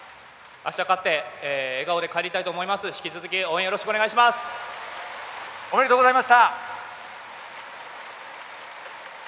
あした勝って笑顔で帰りたいと思います。